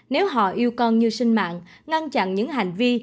nếu họ yêu con như sinh mạng ngăn chặn những hành vi